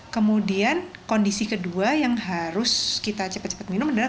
kemudian kondisi kedua yang harus kita cepat cepat minum adalah